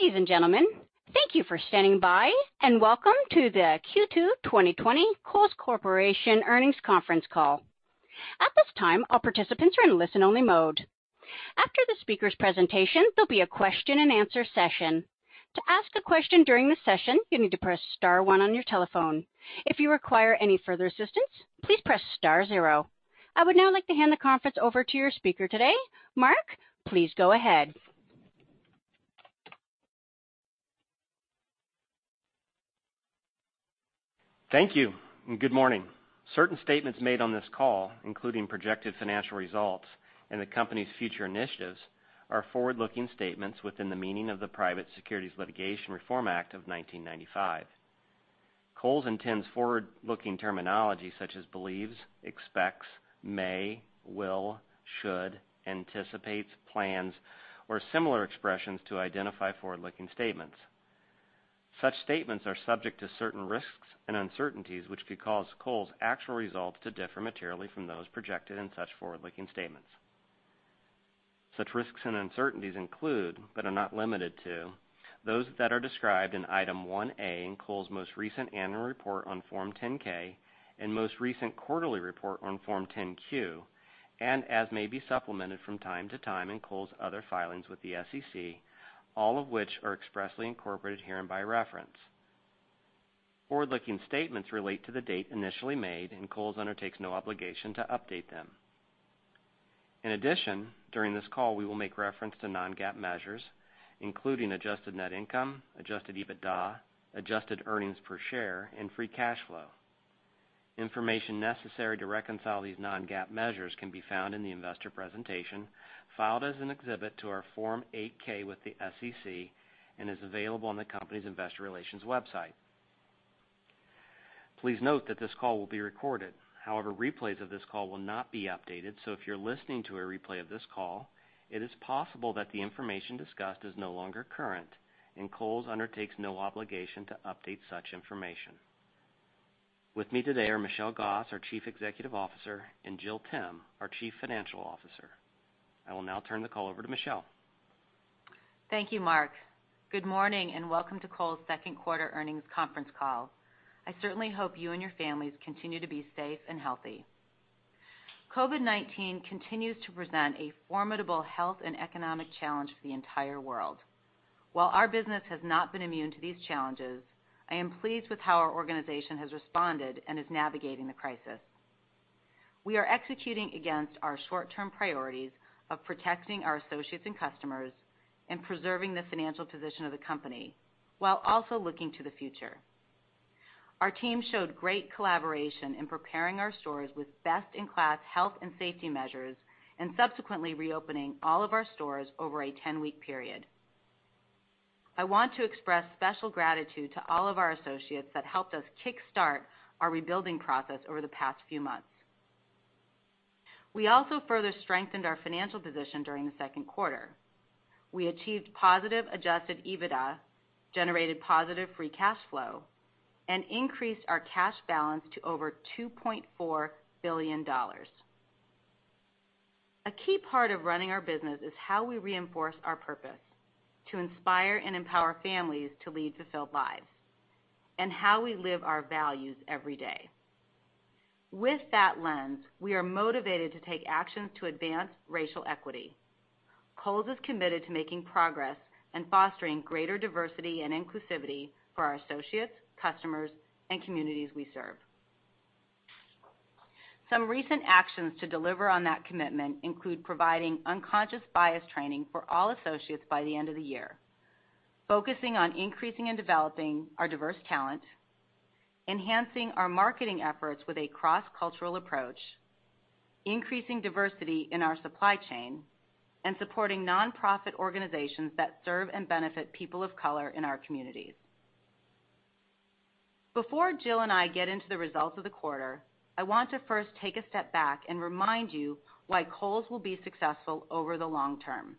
Ladies and gentlemen, thank you for standing by, and welcome to the Q2 2020 Kohl's Corporation Earnings Conference Call. At this time, all participants are in listen-only mode. After the speaker's presentation, there'll be a question and answer session. To ask a question during the session, you need to press star one on your telephone. If you require any further assistance, please press star zero. I would now like to hand the conference over to your speaker today. Mark, please go ahead. Thank you, and good morning. Certain statements made on this call, including projected financial results and the company's future initiatives, are forward-looking statements within the meaning of the Private Securities Litigation Reform Act of 1995. Kohl's intends forward-looking terminology such as believes, expects, may, will, should, anticipates, plans, or similar expressions to identify forward-looking statements. Such statements are subject to certain risks and uncertainties, which could cause Kohl's actual results to differ materially from those projected in such forward-looking statements. Such risks and uncertainties include, but are not limited to, those that are described in Item 1A in Kohl's most recent Annual Report on Form 10-K and most recent quarterly report on Form 10-Q, and as may be supplemented from time to time in Kohl's other filings with the SEC, all of which are expressly incorporated herein by reference. Forward-looking statements relate to the date initially made, and Kohl's undertakes no obligation to update them. In addition, during this call, we will make reference to non-GAAP measures, including adjusted net income, adjusted EBITDA, adjusted earnings per share, and free cash flow. Information necessary to reconcile these non-GAAP measures can be found in the investor presentation, filed as an exhibit to our Form 8-K with the SEC, and is available on the company's Investor Relations website. Please note that this call will be recorded. However, replays of this call will not be updated. If you're listening to a replay of this call, it is possible that the information discussed is no longer current, and Kohl's undertakes no obligation to update such information. With me today are Michelle Gass, our Chief Executive Officer, and Jill Timm, our Chief Financial Officer. I will now turn the call over to Michelle. Thank you, Mark. Good morning, welcome to Kohl's second quarter earnings conference call. I certainly hope you and your families continue to be safe and healthy. COVID-19 continues to present a formidable health and economic challenge for the entire world. While our business has not been immune to these challenges, I am pleased with how our organization has responded and is navigating the crisis. We are executing against our short-term priorities of protecting our associates and customers and preserving the financial position of the company while also looking to the future. Our team showed great collaboration in preparing our stores with best-in-class health and safety measures and subsequently reopening all of our stores over a 10-week period. I want to express special gratitude to all of our associates that helped us kickstart our rebuilding process over the past few months. We also further strengthened our financial position during the second quarter. We achieved positive adjusted EBITDA, generated positive free cash flow, and increased our cash balance to over $2.4 billion. A key part of running our business is how we reinforce our purpose to inspire and empower families to lead fulfilled lives and how we live our values every day. With that lens, we are motivated to take actions to advance racial equity. Kohl's is committed to making progress and fostering greater diversity and inclusivity for our associates, customers, and communities we serve. Some recent actions to deliver on that commitment include providing unconscious bias training for all associates by the end of the year, focusing on increasing and developing our diverse talent, enhancing our marketing efforts with a cross-cultural approach, increasing diversity in our supply chain, and supporting nonprofit organizations that serve and benefit people of color in our communities. Before Jill and I get into the results of the quarter, I want to first take a step back and remind you why Kohl's will be successful over the long term.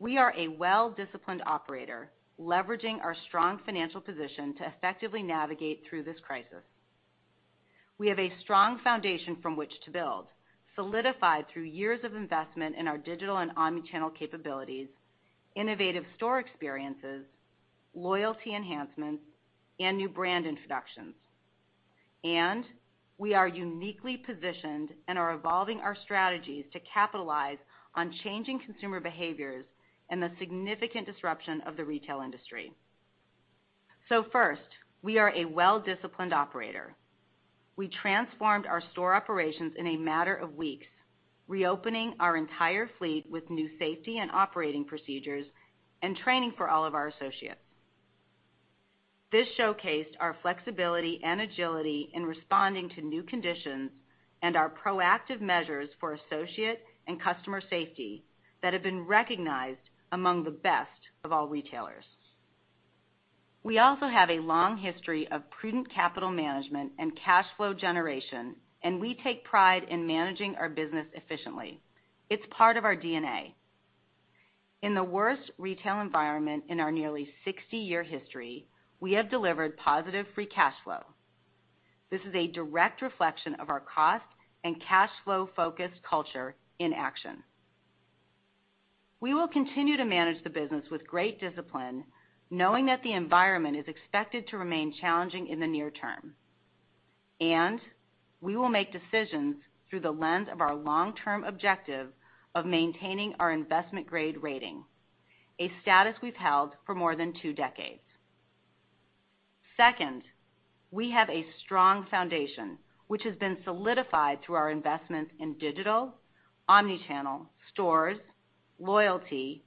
We are a well-disciplined operator, leveraging our strong financial position to effectively navigate through this crisis. We have a strong foundation from which to build, solidified through years of investment in our digital and omni-channel capabilities, innovative store experiences, loyalty enhancements, and new brand introductions. We are uniquely positioned and are evolving our strategies to capitalize on changing consumer behaviors and the significant disruption of the retail industry. First, we are a well-disciplined operator. We transformed our store operations in a matter of weeks, reopening our entire fleet with new safety and operating procedures and training for all of our associates. This showcased our flexibility and agility in responding to new conditions and our proactive measures for associate and customer safety that have been recognized among the best of all retailers. We also have a long history of prudent capital management and cash flow generation, and we take pride in managing our business efficiently. It's part of our DNA. In the worst retail environment in our nearly 60-year history, we have delivered positive free cash flow. This is a direct reflection of our cost and cash flow focused culture in action. We will continue to manage the business with great discipline, knowing that the environment is expected to remain challenging in the near term. We will make decisions through the lens of our long-term objective of maintaining our investment grade rating, a status we've held for more than two decades. Second, we have a strong foundation, which has been solidified through our investments in digital, omnichannel, stores, loyalty,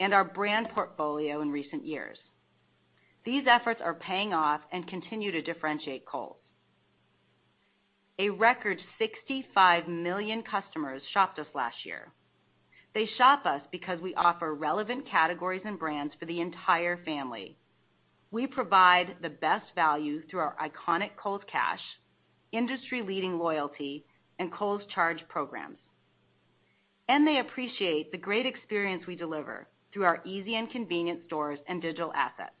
and our brand portfolio in recent years. These efforts are paying off and continue to differentiate Kohl's. A record 65 million customers shopped us last year. They shop us because we offer relevant categories and brands for the entire family. We provide the best value through our iconic Kohl's Cash, industry leading loyalty, and Kohl's Charge programs. They appreciate the great experience we deliver through our easy and convenient stores and digital assets.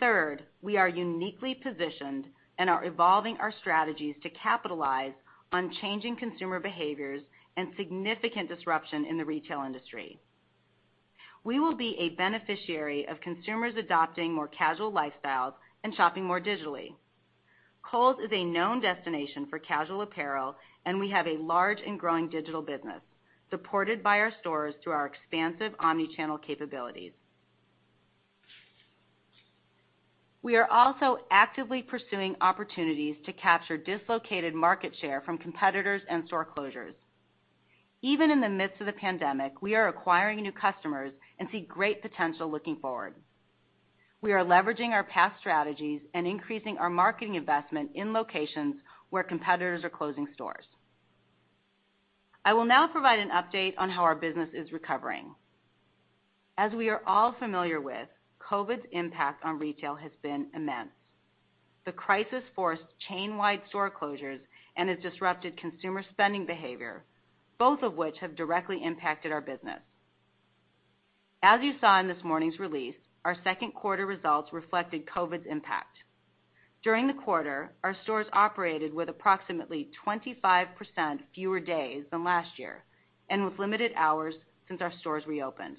Third, we are uniquely positioned and are evolving our strategies to capitalize on changing consumer behaviors and significant disruption in the retail industry. We will be a beneficiary of consumers adopting more casual lifestyles and shopping more digitally. Kohl's is a known destination for casual apparel, and we have a large and growing digital business, supported by our stores through our expansive omnichannel capabilities. We are also actively pursuing opportunities to capture dislocated market share from competitors and store closures. Even in the midst of the pandemic, we are acquiring new customers and see great potential looking forward. We are leveraging our past strategies and increasing our marketing investment in locations where competitors are closing stores. I will now provide an update on how our business is recovering. As we are all familiar with, COVID's impact on retail has been immense. The crisis forced chain-wide store closures and has disrupted consumer spending behavior, both of which have directly impacted our business. As you saw in this morning's release, our second quarter results reflected COVID's impact. During the quarter, our stores operated with approximately 25% fewer days than last year and with limited hours since our stores reopened.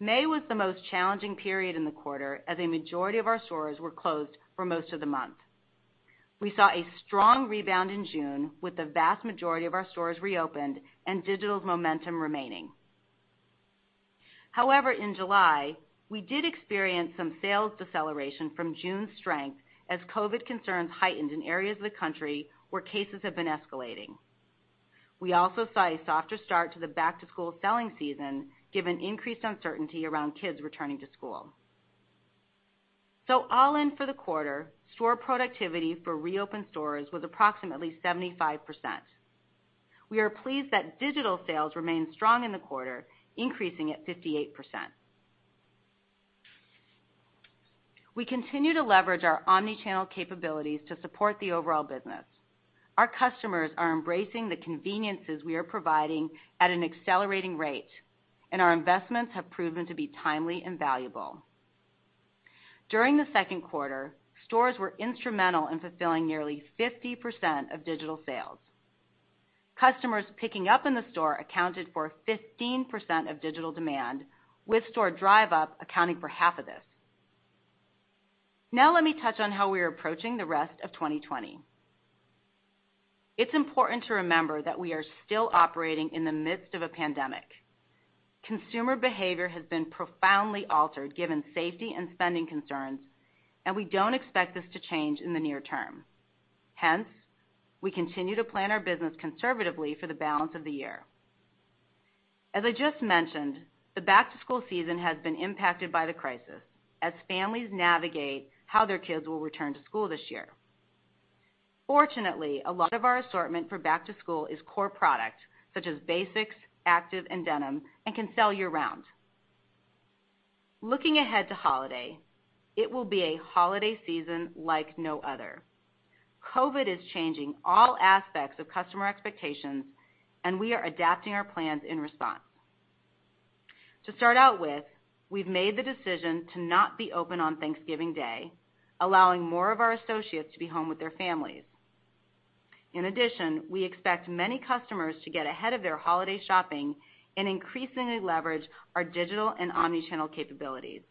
May was the most challenging period in the quarter as a majority of our stores were closed for most of the month. We saw a strong rebound in June with the vast majority of our stores reopened and digital's momentum remaining. However, in July, we did experience some sales deceleration from June's strength as COVID concerns heightened in areas of the country where cases have been escalating. We also saw a softer start to the back-to-school selling season, given increased uncertainty around kids returning to school. All in for the quarter, store productivity for reopened stores was approximately 75%. We are pleased that digital sales remained strong in the quarter, increasing at 58%. We continue to leverage our omnichannel capabilities to support the overall business. Our customers are embracing the conveniences we are providing at an accelerating rate, and our investments have proven to be timely and valuable. During the second quarter, stores were instrumental in fulfilling nearly 50% of digital sales. Customers picking up in the store accounted for 15% of digital demand, with Store Drive Up accounting for half of this. Let me touch on how we are approaching the rest of 2020. It's important to remember that we are still operating in the midst of a pandemic. Consumer behavior has been profoundly altered given safety and spending concerns, and we don't expect this to change in the near term. Hence, we continue to plan our business conservatively for the balance of the year. As I just mentioned, the back-to-school season has been impacted by the crisis as families navigate how their kids will return to school this year. Fortunately, a lot of our assortment for back to school is core product, such as basics, active, and denim, and can sell year-round. Looking ahead to holiday, it will be a holiday season like no other. COVID is changing all aspects of customer expectations, and we are adapting our plans in response. To start out with, we've made the decision to not be open on Thanksgiving Day, allowing more of our associates to be home with their families. In addition, we expect many customers to get ahead of their holiday shopping and increasingly leverage our digital and omnichannel capabilities.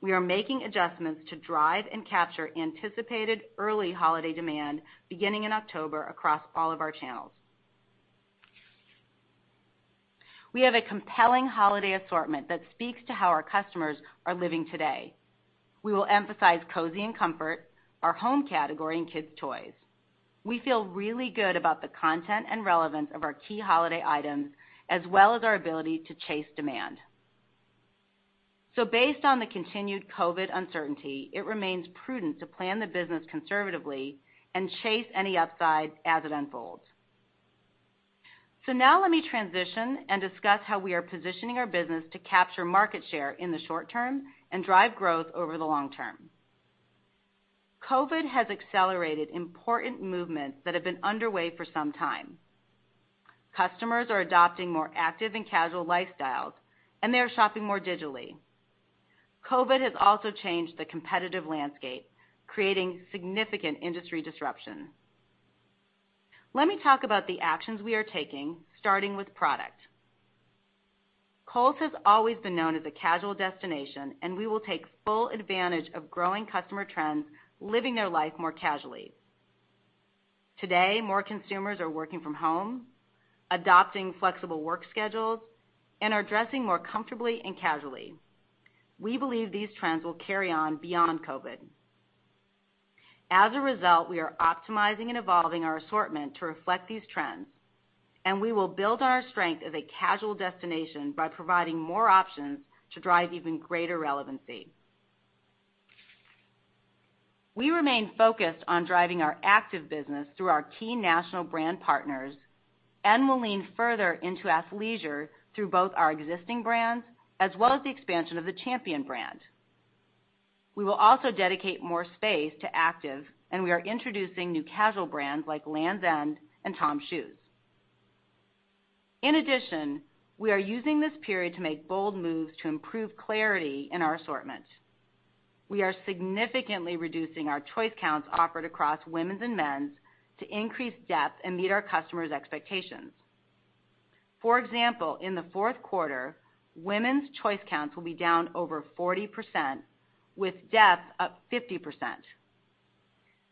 We are making adjustments to drive and capture anticipated early holiday demand beginning in October across all of our channels. We have a compelling holiday assortment that speaks to how our customers are living today. We will emphasize cozy and comfort, our home category, and kids' toys. We feel really good about the content and relevance of our key holiday items, as well as our ability to chase demand. Based on the continued COVID uncertainty, it remains prudent to plan the business conservatively and chase any upside as it unfolds. Now let me transition and discuss how we are positioning our business to capture market share in the short term and drive growth over the long term. COVID has accelerated important movements that have been underway for some time. Customers are adopting more active and casual lifestyles, and they are shopping more digitally. COVID has also changed the competitive landscape, creating significant industry disruption. Let me talk about the actions we are taking, starting with product. Kohl's has always been known as a casual destination, and we will take full advantage of growing customer trends, living their life more casually. Today, more consumers are working from home, adopting flexible work schedules, and are dressing more comfortably and casually. We believe these trends will carry on beyond COVID. As a result, we are optimizing and evolving our assortment to reflect these trends, and we will build on our strength as a casual destination by providing more options to drive even greater relevancy. We remain focused on driving our active business through our key national brand partners, and will lean further into athleisure through both our existing brands as well as the expansion of the Champion brand. We will also dedicate more space to active, and we are introducing new casual brands like Lands' End and TOMS Shoes. In addition, we are using this period to make bold moves to improve clarity in our assortment. We are significantly reducing our choice counts offered across women's and men's to increase depth and meet our customers' expectations. For example, in the fourth quarter, women's choice counts will be down over 40%, with depth up 50%.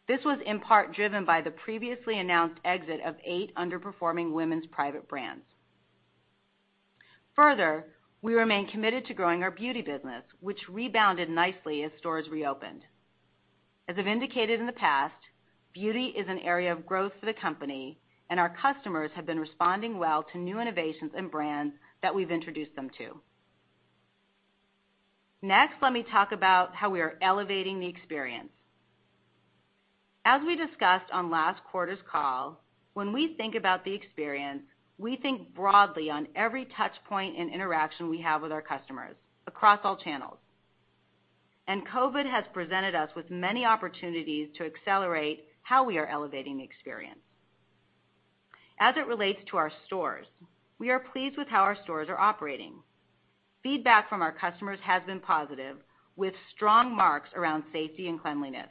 This was in part driven by the previously announced exit of eight underperforming women's private brands. We remain committed to growing our beauty business, which rebounded nicely as stores reopened. As I've indicated in the past, beauty is an area of growth for the company, and our customers have been responding well to new innovations and brands that we've introduced them to. Let me talk about how we are elevating the experience. As we discussed on last quarter's call, when we think about the experience, we think broadly on every touch point and interaction we have with our customers across all channels. COVID has presented us with many opportunities to accelerate how we are elevating the experience. As it relates to our stores, we are pleased with how our stores are operating. Feedback from our customers has been positive, with strong marks around safety and cleanliness.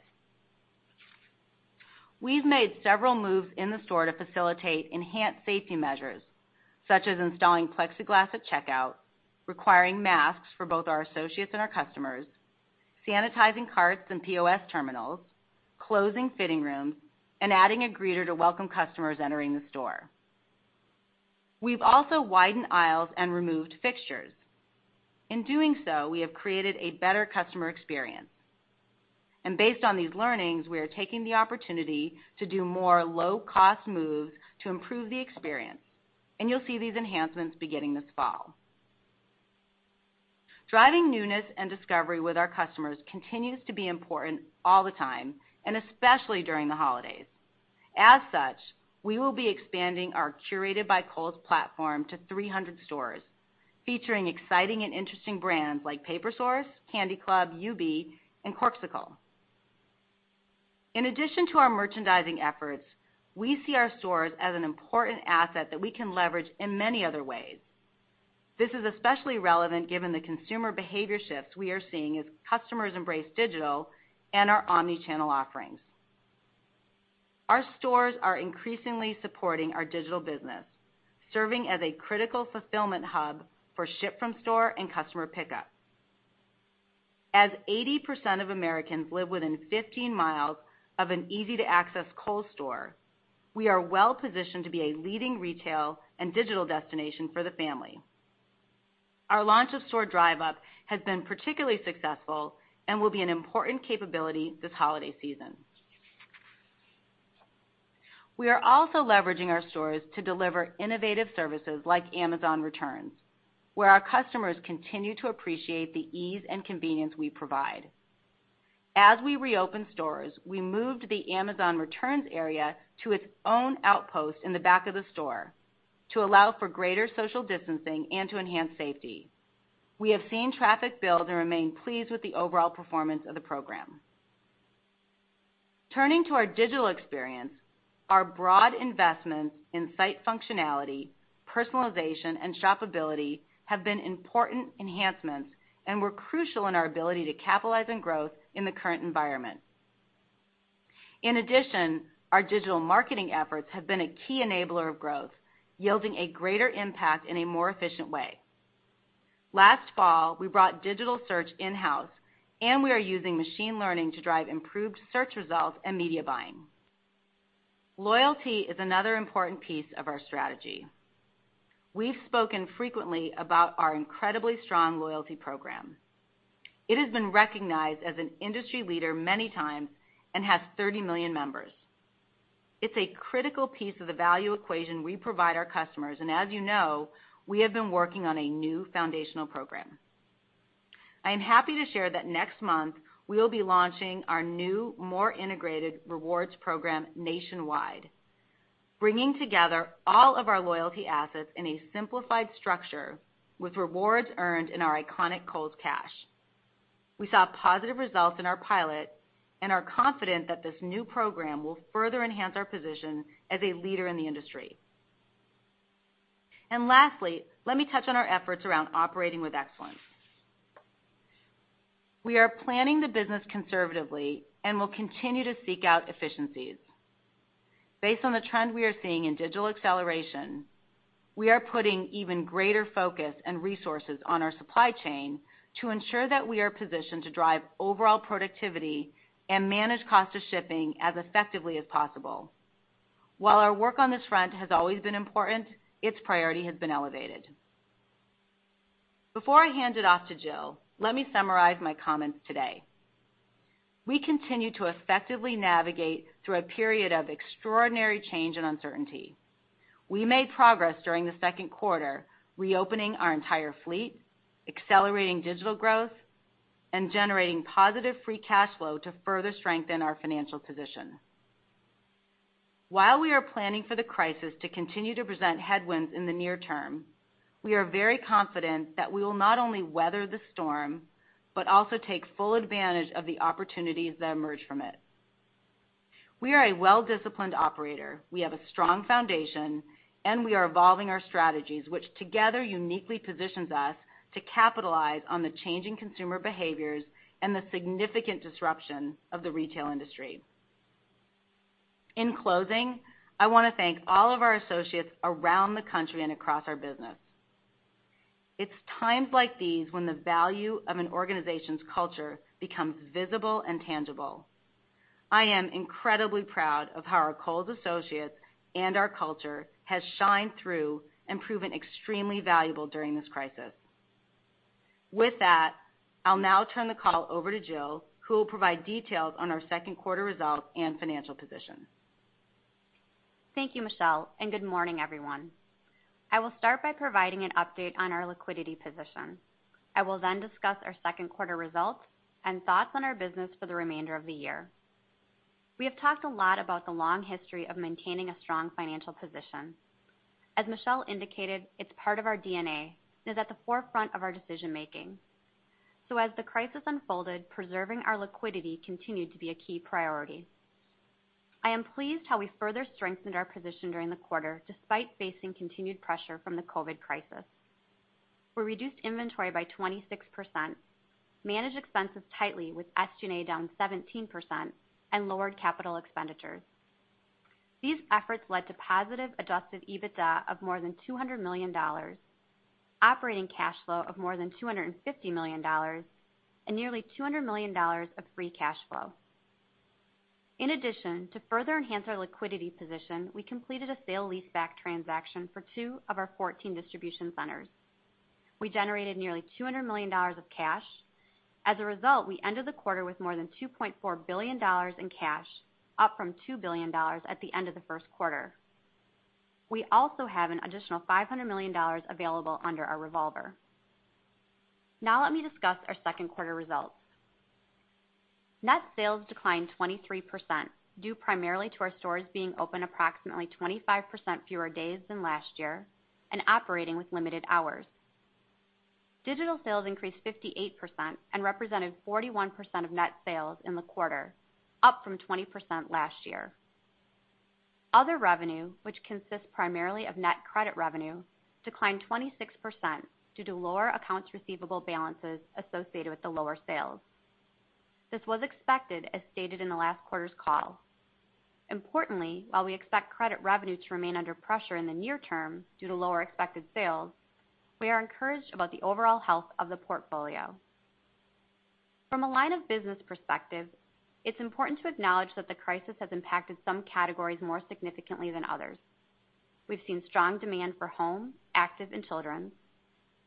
We've made several moves in the store to facilitate enhanced safety measures, such as installing plexiglass at checkout, requiring masks for both our associates and our customers, sanitizing carts and POS terminals, closing fitting rooms, and adding a greeter to welcome customers entering the store. We've also widened aisles and removed fixtures. In doing so, we have created a better customer experience. Based on these learnings, we are taking the opportunity to do more low-cost moves to improve the experience. You'll see these enhancements beginning this fall. Driving newness and discovery with our customers continues to be important all the time, and especially during the holidays. As such, we will be expanding our Curated by Kohl's platform to 300 stores, featuring exciting and interesting brands like Paper Source, Candy Club, Yoobi, and Corkcicle. In addition to our merchandising efforts, we see our stores as an important asset that we can leverage in many other ways. This is especially relevant given the consumer behavior shifts we are seeing as customers embrace digital and our omnichannel offerings. Our stores are increasingly supporting our digital business, serving as a critical fulfillment hub for ship from store and customer pickup. As 80% of Americans live within 15 miles of an easy-to-access Kohl's store, we are well positioned to be a leading retail and digital destination for the family. Our launch of Store Drive Up has been particularly successful and will be an important capability this holiday season. We are also leveraging our stores to deliver innovative services like Amazon Returns, where our customers continue to appreciate the ease and convenience we provide. As we reopened stores, we moved the Amazon Returns area to its own outpost in the back of the store to allow for greater social distancing and to enhance safety. We have seen traffic build and remain pleased with the overall performance of the program. Turning to our digital experience, our broad investments in site functionality, personalization, and shopability have been important enhancements and were crucial in our ability to capitalize on growth in the current environment. In addition, our digital marketing efforts have been a key enabler of growth, yielding a greater impact in a more efficient way. Last fall, we brought digital search in-house. We are using machine learning to drive improved search results and media buying. Loyalty is another important piece of our strategy. We've spoken frequently about our incredibly strong loyalty program. It has been recognized as an industry leader many times and has 30 million members. It's a critical piece of the value equation we provide our customers. As you know, we have been working on a new foundational program. I am happy to share that next month, we will be launching our new, more integrated rewards program nationwide, bringing together all of our loyalty assets in a simplified structure with rewards earned in our iconic Kohl's Cash. We saw positive results in our pilot and are confident that this new program will further enhance our position as a leader in the industry. Lastly, let me touch on our efforts around operating with excellence. We are planning the business conservatively and will continue to seek out efficiencies. Based on the trend we are seeing in digital acceleration, we are putting even greater focus and resources on our supply chain to ensure that we are positioned to drive overall productivity and manage cost of shipping as effectively as possible. While our work on this front has always been important, its priority has been elevated. Before I hand it off to Jill, let me summarize my comments today. We continue to effectively navigate through a period of extraordinary change and uncertainty. We made progress during the second quarter, reopening our entire fleet, accelerating digital growth, and generating positive free cash flow to further strengthen our financial position. While we are planning for the crisis to continue to present headwinds in the near term, we are very confident that we will not only weather the storm, but also take full advantage of the opportunities that emerge from it. We are a well-disciplined operator. We have a strong foundation, and we are evolving our strategies, which together uniquely positions us to capitalize on the changing consumer behaviors and the significant disruption of the retail industry. In closing, I want to thank all of our associates around the country and across our business. It's times like these when the value of an organization's culture becomes visible and tangible. I am incredibly proud of how our Kohl's associates and our culture has shined through and proven extremely valuable during this crisis. With that, I'll now turn the call over to Jill, who will provide details on our second quarter results and financial position. Thank you, Michelle. Good morning, everyone. I will start by providing an update on our liquidity position. I will discuss our second quarter results and thoughts on our business for the remainder of the year. We have talked a lot about the long history of maintaining a strong financial position. As Michelle indicated, it's part of our DNA and is at the forefront of our decision-making. As the crisis unfolded, preserving our liquidity continued to be a key priority. I am pleased how we further strengthened our position during the quarter, despite facing continued pressure from the COVID crisis. We reduced inventory by 26%, managed expenses tightly with SG&A down 17%, and lowered capital expenditures. These efforts led to positive adjusted EBITDA of more than $200 million, operating cash flow of more than $250 million, and nearly $200 million of free cash flow. In addition, to further enhance our liquidity position, we completed a sale leaseback transaction for two of our 14 distribution centers. We generated nearly $200 million of cash. As a result, we ended the quarter with more than $2.4 billion in cash, up from $2 billion at the end of the first quarter. We also have an additional $500 million available under our revolver. Now let me discuss our second quarter results. Net sales declined 23%, due primarily to our stores being open approximately 25% fewer days than last year and operating with limited hours. Digital sales increased 58% and represented 41% of net sales in the quarter, up from 20% last year. Other revenue, which consists primarily of net credit revenue, declined 26% due to lower accounts receivable balances associated with the lower sales. This was expected, as stated in the last quarter's call. Importantly, while we expect credit revenue to remain under pressure in the near term due to lower expected sales, we are encouraged about the overall health of the portfolio. From a line of business perspective, it's important to acknowledge that the crisis has impacted some categories more significantly than others. We've seen strong demand for home, active, and children,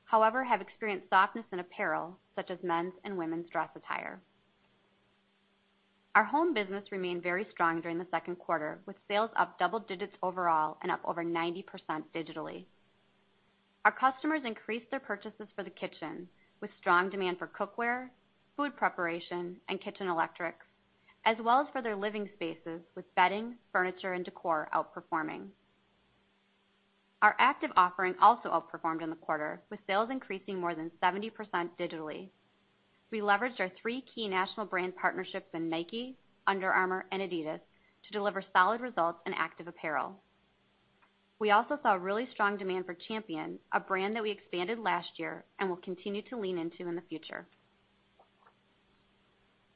however, have experienced softness in apparel, such as men's and women's dress attire. Our home business remained very strong during the second quarter, with sales up double digits overall and up over 90% digitally. Our customers increased their purchases for the kitchen, with strong demand for cookware, food preparation, and kitchen electrics, as well as for their living spaces with bedding, furniture, and decor outperforming. Our active offering also outperformed in the quarter, with sales increasing more than 70% digitally. We leveraged our three key national brand partnerships in Nike, Under Armour, and Adidas to deliver solid results in active apparel. We also saw really strong demand for Champion, a brand that we expanded last year and will continue to lean into in the future.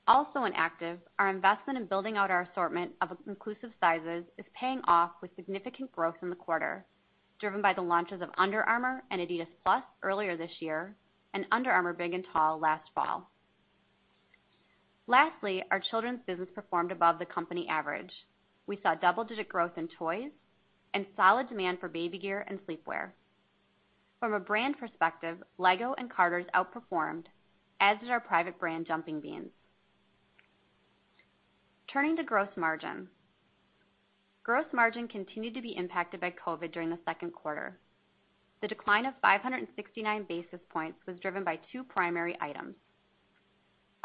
Also in active, our investment in building out our assortment of inclusive sizes is paying off with significant growth in the quarter, driven by the launches of Under Armour and Adidas Plus earlier this year and Under Armour Big & Tall last fall. Lastly, our children's business performed above the company average. We saw double-digit growth in toys and solid demand for baby gear and sleepwear. From a brand perspective, LEGO and Carter's outperformed, as did our private brand, Jumping Beans. Turning to gross margin. Gross margin continued to be impacted by COVID during the second quarter. The decline of 569 basis points was driven by two primary items.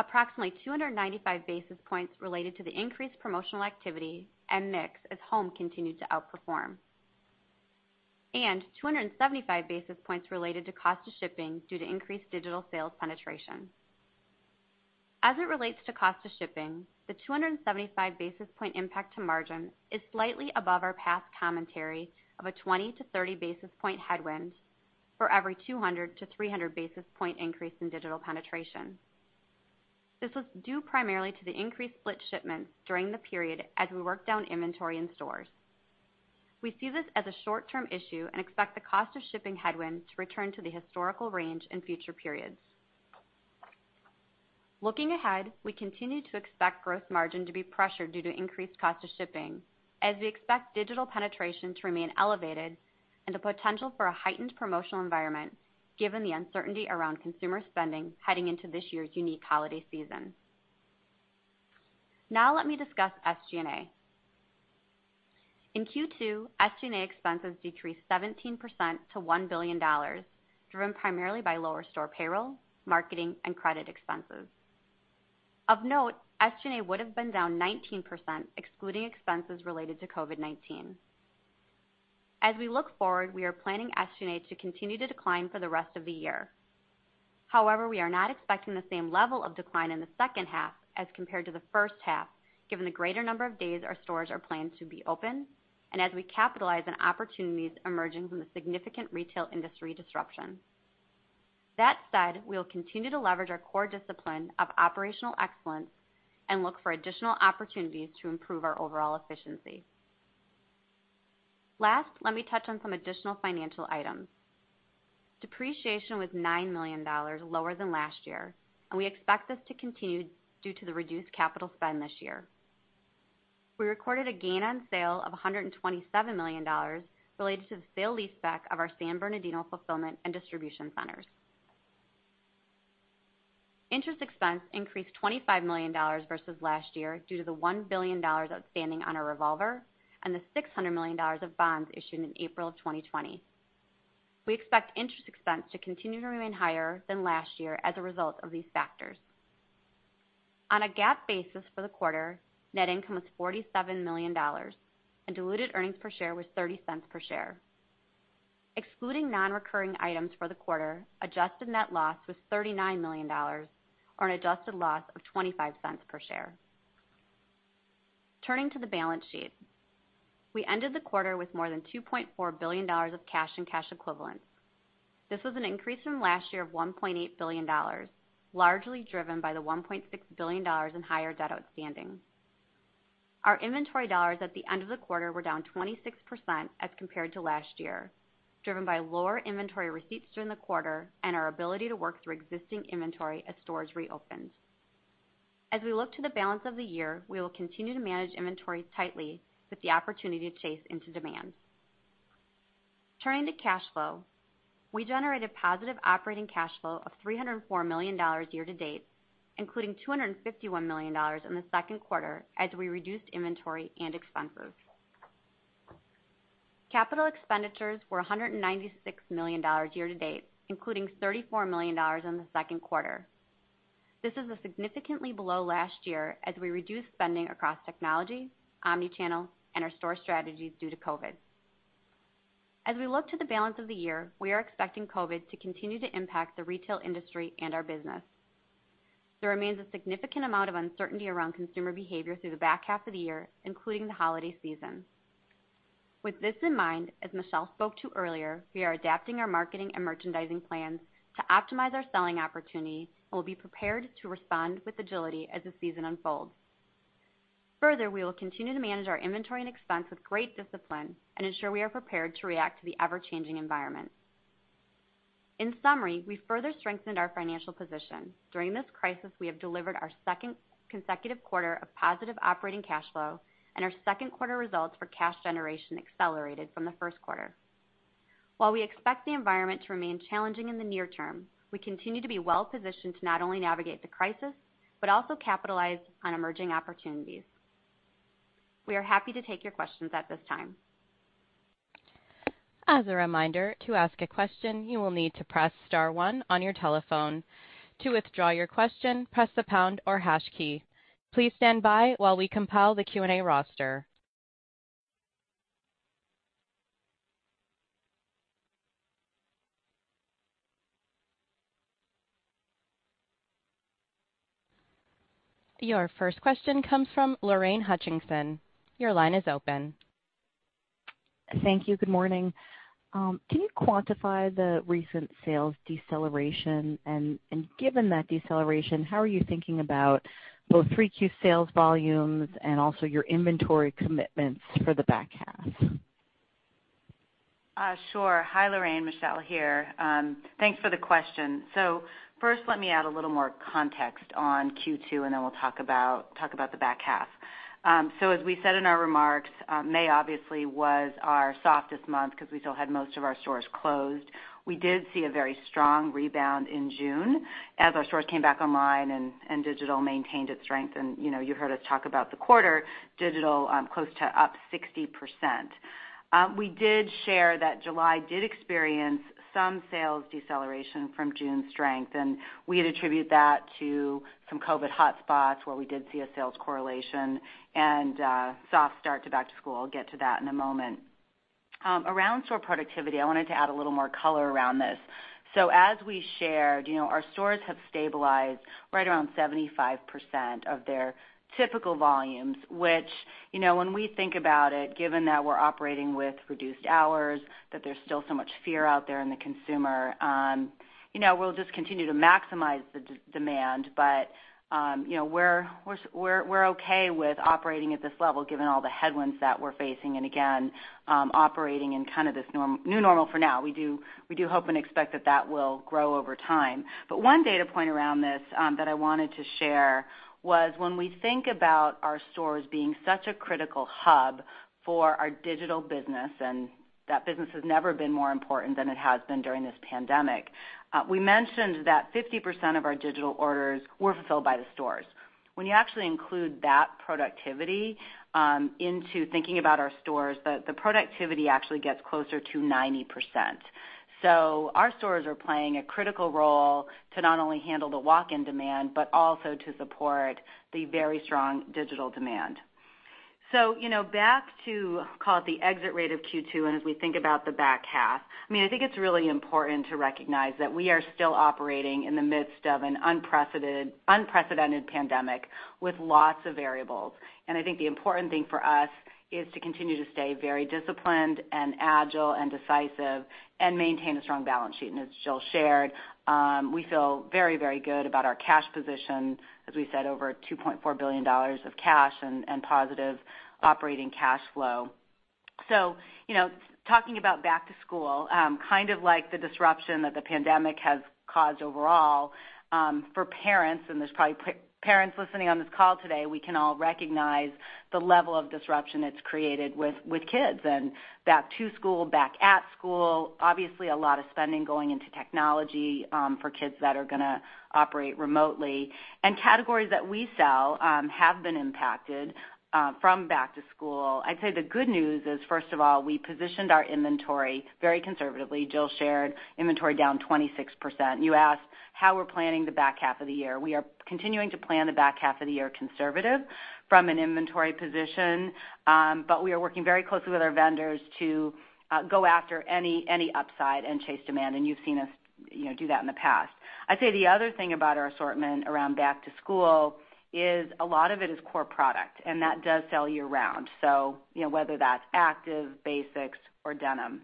Approximately 295 basis points related to the increased promotional activity and mix as home continued to outperform. 275 basis points related to cost of shipping due to increased digital sales penetration. As it relates to cost of shipping, the 275 basis point impact to margin is slightly above our past commentary of a 20-30 basis point headwind for every 200-300 basis point increase in digital penetration. This was due primarily to the increased split shipments during the period as we worked down inventory in stores. We see this as a short-term issue and expect the cost of shipping headwind to return to the historical range in future periods. Looking ahead, we continue to expect gross margin to be pressured due to increased cost of shipping, as we expect digital penetration to remain elevated and the potential for a heightened promotional environment, given the uncertainty around consumer spending heading into this year's unique holiday season. Let me discuss SG&A. In Q2, SG&A expenses decreased 17% to $1 billion, driven primarily by lower store payroll, marketing, and credit expenses. Of note, SG&A would've been down 19%, excluding expenses related to COVID-19. As we look forward, we are planning SG&A to continue to decline for the rest of the year. We are not expecting the same level of decline in the second half as compared to the first half, given the greater number of days our stores are planned to be open and as we capitalize on opportunities emerging from the significant retail industry disruption. That said, we'll continue to leverage our core discipline of operational excellence and look for additional opportunities to improve our overall efficiency. Last, let me touch on some additional financial items. Depreciation was $9 million lower than last year, and we expect this to continue due to the reduced capital spend this year. We recorded a gain on sale of $127 million related to the sale leaseback of our San Bernardino fulfillment and distribution centers. Interest expense increased $25 million versus last year due to the $1 billion outstanding on our revolver and the $600 million of bonds issued in April of 2020. We expect interest expense to continue to remain higher than last year as a result of these factors. On a GAAP basis for the quarter, net income was $47 million and diluted earnings per share was $0.30 per share. Excluding non-recurring items for the quarter, adjusted net loss was $39 million, or an adjusted loss of $0.25 per share. Turning to the balance sheet. We ended the quarter with more than $2.4 billion of cash and cash equivalents. This was an increase from last year of $1.8 billion, largely driven by the $1.6 billion in higher debt outstanding. Our inventory dollars at the end of the quarter were down 26% as compared to last year, driven by lower inventory receipts during the quarter and our ability to work through existing inventory as stores reopened. As we look to the balance of the year, we will continue to manage inventory tightly with the opportunity to chase into demand. Turning to cash flow. We generated positive operating cash flow of $304 million year to date, including $251 million in the second quarter as we reduced inventory and expenses. Capital expenditures were $196 million year to date, including $34 million in the second quarter. This is significantly below last year as we reduced spending across technology, omni-channel, and our store strategies due to COVID. As we look to the balance of the year, we are expecting COVID to continue to impact the retail industry and our business. There remains a significant amount of uncertainty around consumer behavior through the back half of the year, including the holiday season. With this in mind, as Michelle spoke to earlier, we are adapting our marketing and merchandising plans to optimize our selling opportunity and will be prepared to respond with agility as the season unfolds. Further, we will continue to manage our inventory and expense with great discipline and ensure we are prepared to react to the ever-changing environment. In summary, we further strengthened our financial position. During this crisis, we have delivered our second consecutive quarter of positive operating cash flow and our second quarter results for cash generation accelerated from the first quarter. While we expect the environment to remain challenging in the near term, we continue to be well positioned to not only navigate the crisis, but also capitalize on emerging opportunities. We are happy to take your questions at this time. As a reminder, to ask a question, you will need to press star one on your telephone. To withdraw your question, press the pound or hash key. Please stand by while we compile the Q&A roster. Your first question comes from Lorraine Hutchinson. Your line is open. Thank you. Good morning. Can you quantify the recent sales deceleration? Given that deceleration, how are you thinking about both 3Q sales volumes and also your inventory commitments for the back half? Sure. Hi, Lorraine, Michelle here. Thanks for the question. First let me add a little more context on Q2, then we'll talk about the back half. As we said in our remarks, May obviously was our softest month because we still had most of our stores closed. We did see a very strong rebound in June as our stores came back online and digital maintained its strength. You heard us talk about the quarter digital close to up 60%. We did share that July did experience some sales deceleration from June strength, we'd attribute that to some COVID hotspots where we did see a sales correlation and a soft start to back to school. I'll get to that in a moment. Around store productivity, I wanted to add a little more color around this. As we shared, our stores have stabilized right around 75% of their typical volumes, which, when we think about it, given that we're operating with reduced hours, that there's still so much fear out there in the consumer, we'll just continue to maximize the demand. We're okay with operating at this level given all the headwinds that we're facing. Again, operating in this new normal for now. We do hope and expect that that will grow over time. One data point around this that I wanted to share was when we think about our stores being such a critical hub for our digital business, and that business has never been more important than it has been during this pandemic. We mentioned that 50% of our digital orders were fulfilled by the stores. When you actually include that productivity into thinking about our stores, the productivity actually gets closer to 90%. Our stores are playing a critical role to not only handle the walk-in demand, but also to support the very strong digital demand. Back to, call it, the exit rate of Q2, and as we think about the back half, I think it's really important to recognize that we are still operating in the midst of an unprecedented pandemic with lots of variables. I think the important thing for us is to continue to stay very disciplined and agile and decisive and maintain a strong balance sheet. As Jill shared, we feel very good about our cash position, as we said, over $2.4 billion of cash and positive operating cash flow. Talking about back to school, like the disruption that the pandemic has caused overall for parents, and there's probably parents listening on this call today, we can all recognize the level of disruption it's created with kids. Back to school, back at school, obviously a lot of spending going into technology for kids that are going to operate remotely. Categories that we sell have been impacted from back to school. I'd say the good news is, first of all, we positioned our inventory very conservatively. Jill shared inventory down 26%. You asked how we're planning the back half of the year. We are continuing to plan the back half of the year conservative from an inventory position. We are working very closely with our vendors to go after any upside and chase demand, and you've seen us do that in the past. I'd say the other thing about our assortment around back to school is a lot of it is core product. That does sell year-round. Whether that's active, basics, or denim.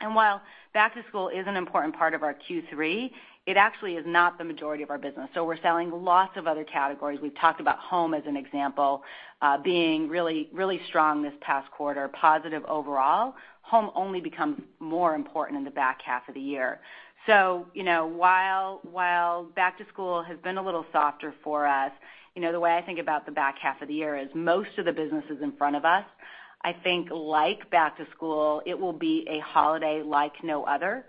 While back to school is an important part of our Q3, it actually is not the majority of our business. We're selling lots of other categories. We've talked about home as an example being really strong this past quarter, positive overall. Home only becomes more important in the back half of the year. While back to school has been a little softer for us, the way I think about the back half of the year is most of the business is in front of us. I think like back to school, it will be a holiday like no other.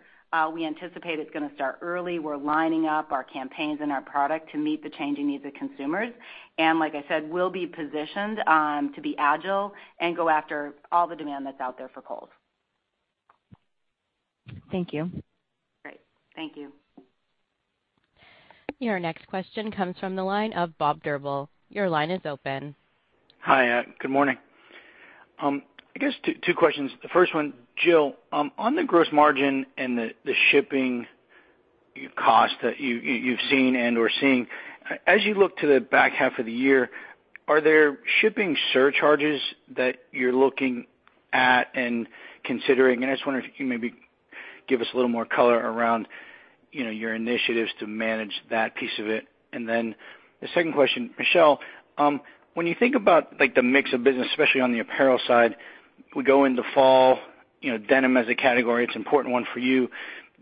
We anticipate it's going to start early. We're lining up our campaigns and our product to meet the changing needs of consumers. Like I said, we'll be positioned to be agile and go after all the demand that's out there for Kohl's. Thank you. Great. Thank you. Your next question comes from the line of Bob Drbul. Your line is open. Hi. Good morning. I guess two questions. The first one, Jill, on the gross margin and the shipping cost that you've seen and/or seeing, as you look to the back half of the year, are there shipping surcharges that you're looking at and considering? I just wonder if you can maybe give us a little more color around your initiatives to manage that piece of it. The second question, Michelle, when you think about the mix of business, especially on the apparel side, we go into fall, denim as a category, it's an important one for you.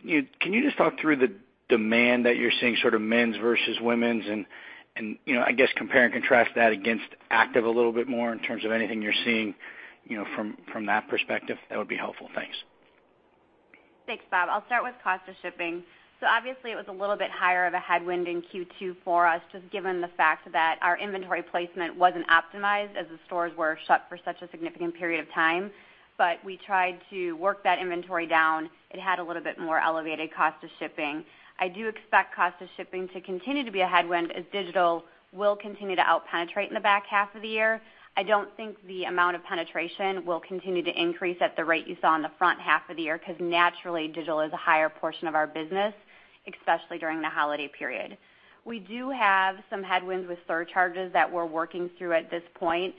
Can you just talk through the demand that you're seeing, men's versus women's and I guess compare and contrast that against active a little bit more in terms of anything you're seeing from that perspective? That would be helpful. Thanks. Thanks, Bob. I'll start with cost of shipping. Obviously it was a little bit higher of a headwind in Q2 for us, just given the fact that our inventory placement wasn't optimized as the stores were shut for such a significant period of time. We tried to work that inventory down. It had a little bit more elevated cost of shipping. I do expect cost of shipping to continue to be a headwind as digital will continue to out-penetrate in the back half of the year. I don't think the amount of penetration will continue to increase at the rate you saw in the front half of the year, because naturally, digital is a higher portion of our business, especially during the holiday period. We do have some headwinds with surcharges that we're working through at this point.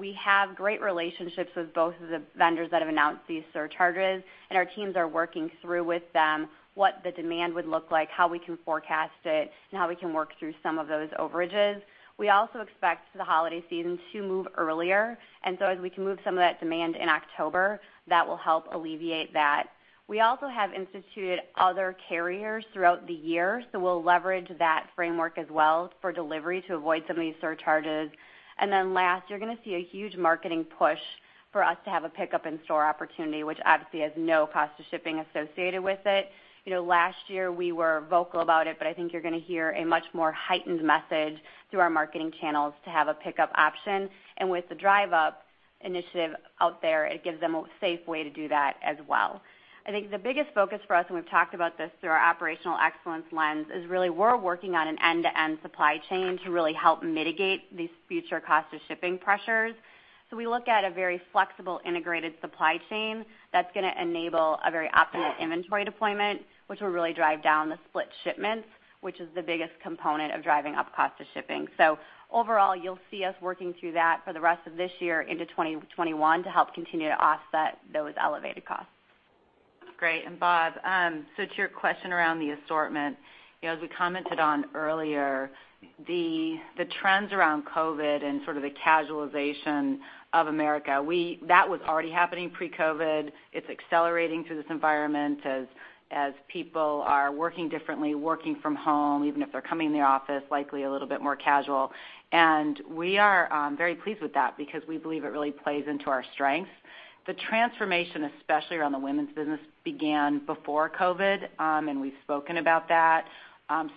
We have great relationships with both of the vendors that have announced these surcharges, and our teams are working through with them what the demand would look like, how we can forecast it, and how we can work through some of those overages. We also expect the holiday season to move earlier, as we can move some of that demand in October, that will help alleviate that. We also have instituted other carriers throughout the year, we'll leverage that framework as well for delivery to avoid some of these surcharges. Last, you're going to see a huge marketing push for us to have a pickup in-store opportunity, which obviously has no cost of shipping associated with it. Last year we were vocal about it. I think you're going to hear a much more heightened message through our marketing channels to have a pickup option. With the Drive Up initiative out there, it gives them a safe way to do that as well. I think the biggest focus for us, we've talked about this through our operational excellence lens, is really we're working on an end-to-end supply chain to really help mitigate these future cost of shipping pressures. We look at a very flexible, integrated supply chain that's going to enable a very optimal inventory deployment, which will really drive down the split shipments, which is the biggest component of driving up cost of shipping. Overall, you'll see us working through that for the rest of this year into 2021 to help continue to offset those elevated costs. Great. Bob, to your question around the assortment, as we commented on earlier, the trends around COVID and sort of the casualization of America, that was already happening pre-COVID. It's accelerating through this environment as people are working differently, working from home, even if they're coming in the office, likely a little bit more casual. We are very pleased with that because we believe it really plays into our strengths. The transformation, especially around the women's business, began before COVID, and we've spoken about that,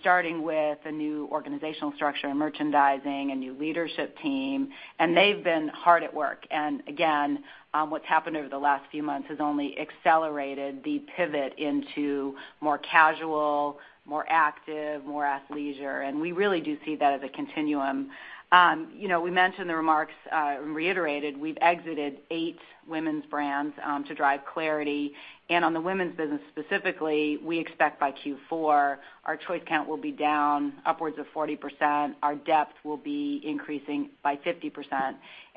starting with a new organizational structure in merchandising, a new leadership team, and they've been hard at work. Again, what's happened over the last few months has only accelerated the pivot into more casual, more active, more athleisure, and we really do see that as a continuum. We mentioned the remarks, and reiterated, we've exited eight women's brands to drive clarity. On the women's business specifically, we expect by Q4, our choice count will be down upwards of 40%, our depth will be increasing by 50%.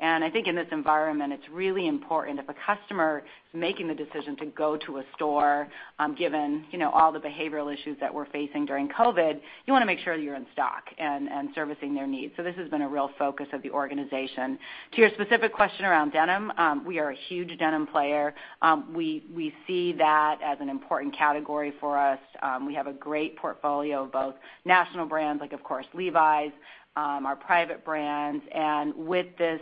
I think in this environment, it's really important if a customer is making the decision to go to a store, given all the behavioral issues that we're facing during COVID-19, you want to make sure you're in stock and servicing their needs. This has been a real focus of the organization. To your specific question around denim, we are a huge denim player. We see that as an important category for us. We have a great portfolio of both national brands, like, of course, Levi's, our private brands. With this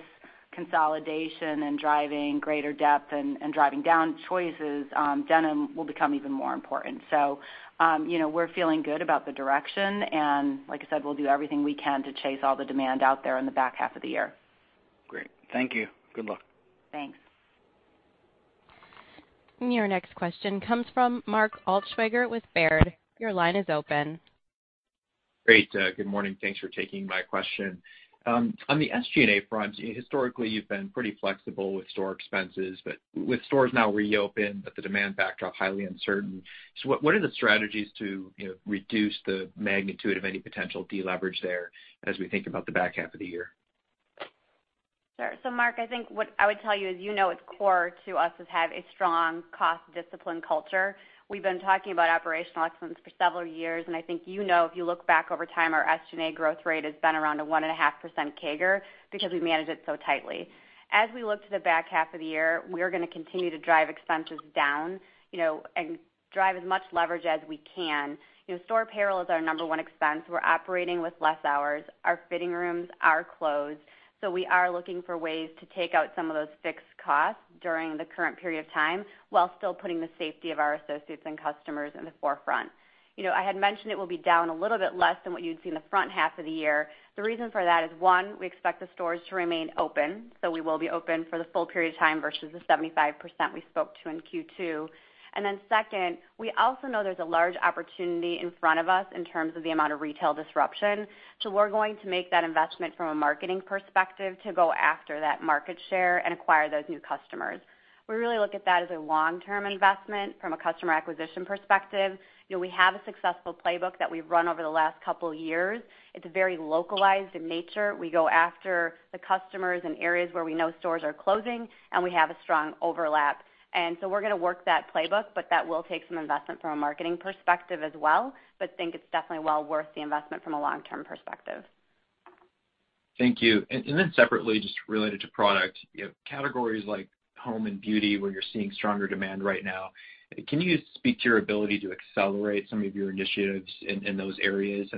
consolidation and driving greater depth and driving down choices, denim will become even more important. We're feeling good about the direction, and like I said, we'll do everything we can to chase all the demand out there in the back half of the year. Great. Thank you. Good luck. Thanks. Your next question comes from Mark Altschwager with Baird. Your line is open. Great. Good morning. Thanks for taking my question. On the SG&A front, historically, you've been pretty flexible with store expenses. With stores now reopened but the demand backdrop highly uncertain, what are the strategies to reduce the magnitude of any potential deleverage there as we think about the back half of the year? Sure. So Mark, I think what I would tell you is, you know it's core to us is have a strong cost discipline culture. We've been talking about operational excellence for several years, and I think you know if you look back over time, our SG&A growth rate has been around a 1.5% CAGR because we manage it so tightly. As we look to the back half of the year, we are going to continue to drive expenses down, and drive as much leverage as we can. Store payroll is our number one expense. We're operating with less hours. Our fitting rooms are closed. We are looking for ways to take out some of those fixed costs during the current period of time, while still putting the safety of our associates and customers in the forefront. I had mentioned it will be down a little bit less than what you'd see in the front half of the year. The reason for that is, one, we expect the stores to remain open, so we will be open for the full period of time versus the 75% we spoke to in Q2. Second, we also know there's a large opportunity in front of us in terms of the amount of retail disruption. We're going to make that investment from a marketing perspective to go after that market share and acquire those new customers. We really look at that as a long-term investment from a customer acquisition perspective. We have a successful playbook that we've run over the last couple of years. It's very localized in nature. We go after the customers in areas where we know stores are closing, and we have a strong overlap. We're going to work that playbook, but that will take some investment from a marketing perspective as well, but think it's definitely well worth the investment from a long-term perspective. Thank you. Separately, just related to product, categories like home and beauty, where you're seeing stronger demand right now, can you speak to your ability to accelerate some of your initiatives in those areas?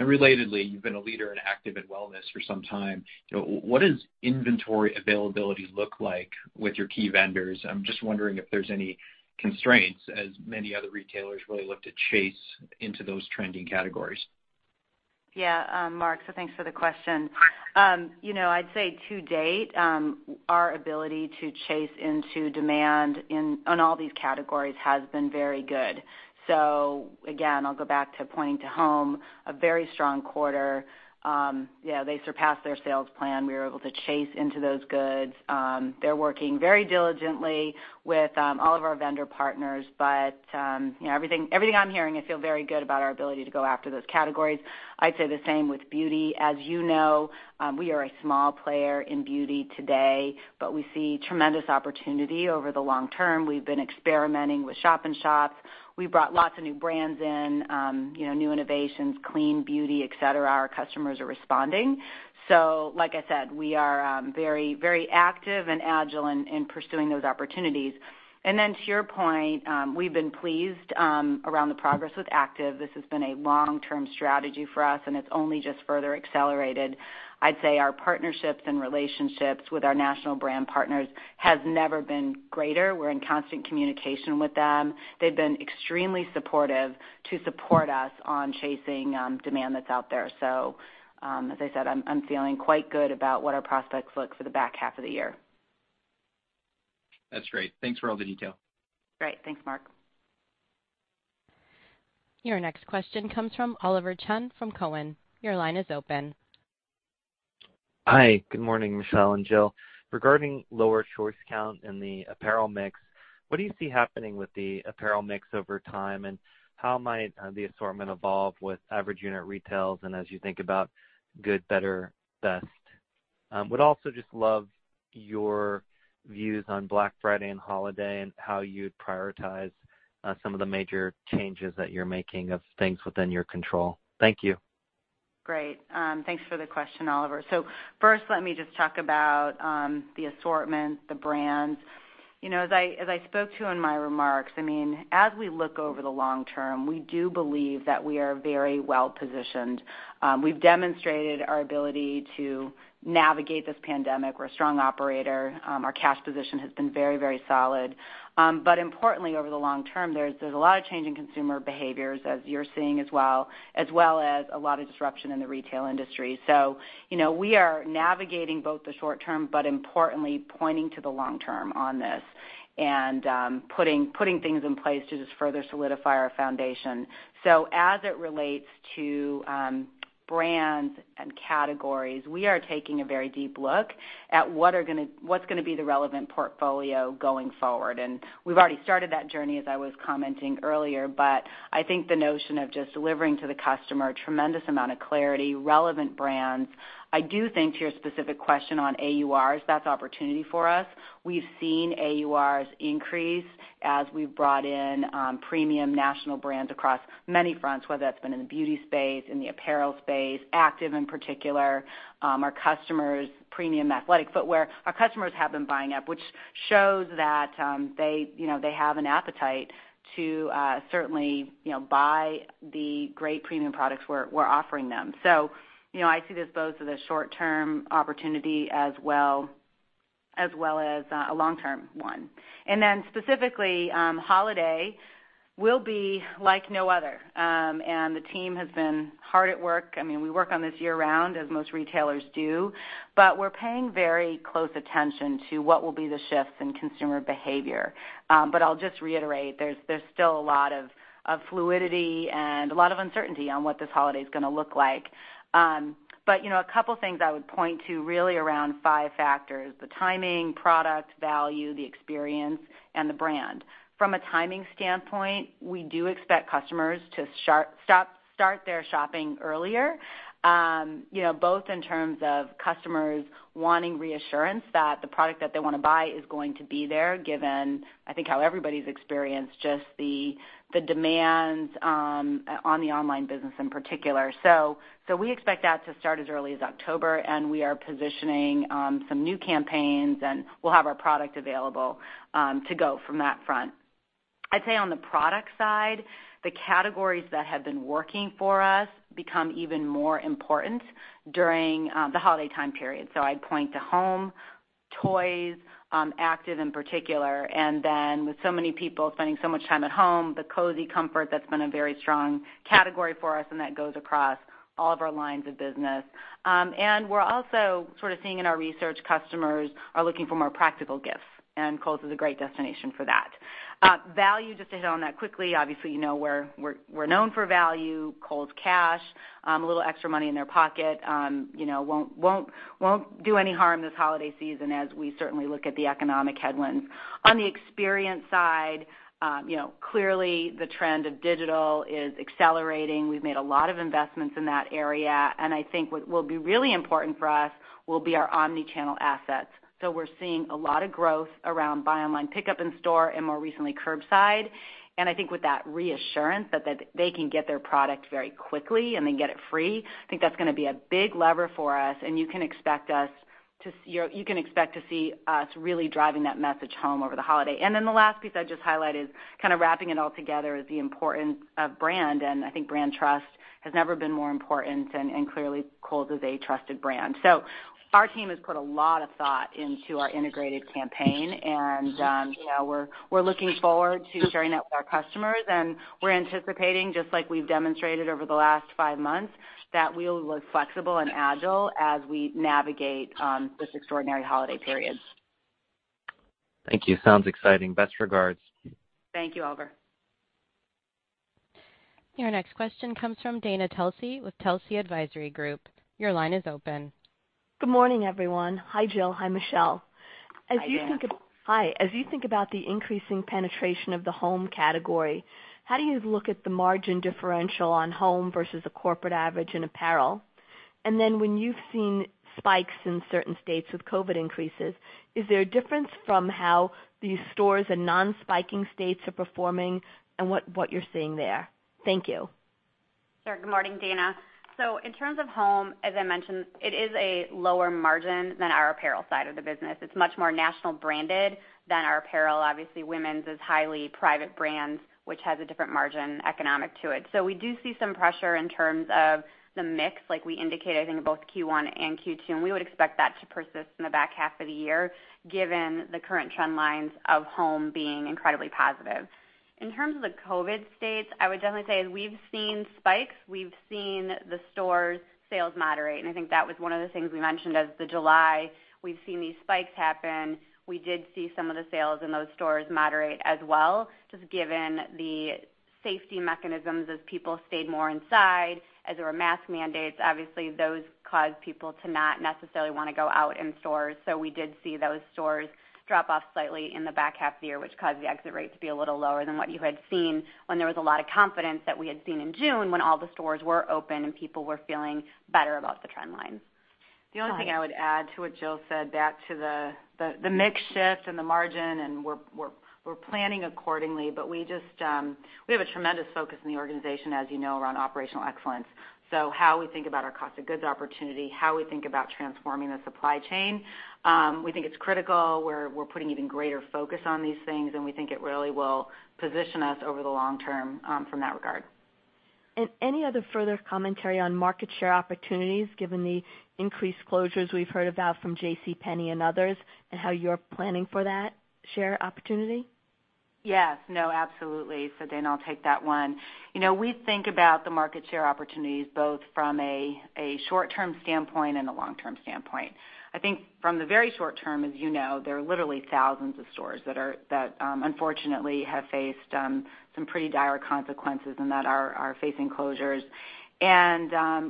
Relatedly, you've been a leader in active and wellness for some time. What does inventory availability look like with your key vendors? I'm just wondering if there's any constraints as many other retailers really look to chase into those trending categories. Mark, thanks for the question. I'd say to date, our ability to chase into demand on all these categories has been very good. Again, I'll go back to pointing to home, a very strong quarter. They surpassed their sales plan. We were able to chase into those goods. They're working very diligently with all of our vendor partners. Everything I'm hearing, I feel very good about our ability to go after those categories. I'd say the same with beauty. As you know, we are a small player in beauty today, but we see tremendous opportunity over the long term. We've been experimenting with shop in shops. We brought lots of new brands in, new innovations, clean beauty, et cetera. Our customers are responding. Like I said, we are very active and agile in pursuing those opportunities. To your point, we've been pleased around the progress with active. This has been a long-term strategy for us, and it's only just further accelerated. I'd say our partnerships and relationships with our national brand partners has never been greater. We're in constant communication with them. They've been extremely supportive to support us on chasing demand that's out there. As I said, I'm feeling quite good about what our prospects look for the back half of the year. That's great. Thanks for all the detail. Great. Thanks, Mark. Your next question comes from Oliver Chen from Cowen. Your line is open Hi, good morning, Michelle and Jill. Regarding lower choice count in the apparel mix, what do you see happening with the apparel mix over time, how might the assortment evolve with average unit retails and as you think about good, better, best? Would also just love your views on Black Friday and holiday how you'd prioritize some of the major changes that you're making of things within your control. Thank you. Great. Thanks for the question, Oliver. First, let me just talk about the assortment, the brands. As I spoke to in my remarks, as we look over the long term, we do believe that we are very well positioned. We've demonstrated our ability to navigate this pandemic. We're a strong operator. Our cash position has been very solid. Importantly, over the long term, there's a lot of change in consumer behaviors as you're seeing as well, as well as a lot of disruption in the retail industry. We are navigating both the short term, but importantly pointing to the long term on this, and putting things in place to just further solidify our foundation. As it relates to brands and categories, we are taking a very deep look at what's going to be the relevant portfolio going forward. We've already started that journey, as I was commenting earlier, but I think the notion of just delivering to the customer a tremendous amount of clarity, relevant brands. I do think to your specific question on AURs, that's opportunity for us. We've seen AURs increase as we've brought in premium national brands across many fronts, whether that's been in the beauty space, in the apparel space, active in particular. Our customers, premium athletic footwear, our customers have been buying up, which shows that they have an appetite to certainly buy the great premium products we're offering them. I see this both as a short term opportunity, as well as a long term one. Specifically, holiday will be like no other. The team has been hard at work. We work on this year round, as most retailers do, but we're paying very close attention to what will be the shifts in consumer behavior. But I'll just reiterate, there's still a lot of fluidity and a lot of uncertainty on what this holiday is going to look like. But a couple of things I would point to really around five factors, the timing, product, value, the experience, and the brand. From a timing standpoint, we do expect customers to start their shopping earlier. Both in terms of customers wanting reassurance that the product that they want to buy is going to be there, given, I think how everybody's experienced just the demands on the online business in particular. So we expect that to start as early as October, and we are positioning some new campaigns, and we'll have our product available to go from that front. I'd say on the product side, the categories that have been working for us become even more important during the holiday time period. I'd point to home, toys, active in particular, and then with so many people spending so much time at home, the cozy comfort, that's been a very strong category for us, and that goes across all of our lines of business. We're also seeing in our research, customers are looking for more practical gifts, and Kohl's is a great destination for that. Value, just to hit on that quickly, obviously, you know we're known for value, Kohl's Cash, a little extra money in their pocket won't do any harm this holiday season as we certainly look at the economic headwinds. On the experience side, clearly the trend of digital is accelerating. We've made a lot of investments in that area, I think what will be really important for us will be our omni-channel assets. We're seeing a lot of growth around buy online, pickup in store, and more recently, curbside. I think with that reassurance that they can get their product very quickly and they get it free, I think that's going to be a big lever for us, and you can expect to see us really driving that message home over the holiday. The last piece I'd just highlight is, kind of wrapping it all together, is the importance of brand, I think brand trust has never been more important, and clearly, Kohl's is a trusted brand. Our team has put a lot of thought into our integrated campaign, and we're looking forward to sharing that with our customers, and we're anticipating, just like we've demonstrated over the last five months, that we'll look flexible and agile as we navigate this extraordinary holiday period. Thank you. Sounds exciting. Best regards. Thank you, Oliver. Your next question comes from Dana Telsey with Telsey Advisory Group. Your line is open. Good morning, everyone. Hi, Jill. Hi, Michelle. Hi, Dana. Hi. As you think about the increasing penetration of the home category, how do you look at the margin differential on home versus a corporate average in apparel? When you've seen spikes in certain states with COVID-19 increases, is there a difference from how these stores in non-spiking states are performing and what you're seeing there? Thank you. Sure. Good morning, Dana. In terms of home, as I mentioned, it is a lower margin than our apparel side of the business. It's much more national branded than our apparel. Obviously, women's is highly private brands, which has a different margin economic to it. We do see some pressure in terms of the mix, like we indicated, I think in both Q1 and Q2, and we would expect that to persist in the back half of the year, given the current trend lines of home being. Incredibly positive. In terms of the COVID states, I would definitely say we've seen spikes. We've seen the store's sales moderate. I think that was one of the things we mentioned as the July, we've seen these spikes happen. We did see some of the sales in those stores moderate as well, just given the safety mechanisms as people stayed more inside, as there were mask mandates. Obviously, those caused people to not necessarily want to go out in stores. We did see those stores drop off slightly in the back half of the year, which caused the exit rate to be a little lower than what you had seen when there was a lot of confidence that we had seen in June, when all the stores were open and people were feeling better about the trend line. The only thing I would add to what Jill said, back to the mix shift and the margin, and we're planning accordingly, but we have a tremendous focus in the organization, as you know, around operational excellence, how we think about our cost of goods opportunity, how we think about transforming the supply chain. We think it's critical. We're putting even greater focus on these things, and we think it really will position us over the long term from that regard. Any other further commentary on market share opportunities, given the increased closures we've heard about from JCPenney and others, and how you're planning for that share opportunity? Yes. No, absolutely. Dana, I'll take that one. We think about the market share opportunities both from a short-term standpoint and a long-term standpoint. I think from the very short term, as you know, there are literally thousands of stores that unfortunately have faced some pretty dire consequences and that are facing closures.